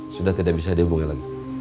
sudah tidak bisa dihubungi lagi